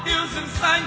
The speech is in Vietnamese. yêu rừng xanh